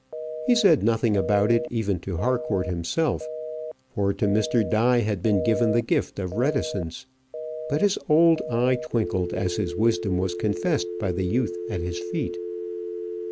He said nothing about it even to Harcourt himself, for to Mr. Die had been given the gift of reticence; but his old eye twinkled as his wisdom was confessed by the youth at his feet.